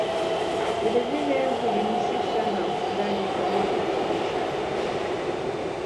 Vilevile hujihusisha na ufugaji pamoja na biashara